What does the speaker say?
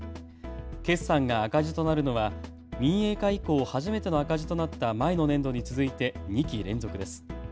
決算が赤字となるのは民営化以降、初めての赤字となった前の年度に続いて２期連続です。